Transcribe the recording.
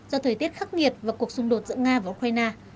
do thời tiết khắc nghiệt và cuộc xung đột giữa nga và ukraine